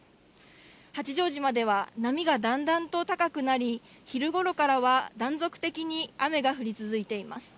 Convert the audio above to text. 八丈島では波がだんだんと高くなり、昼ごろからは断続的に雨が降り続いています。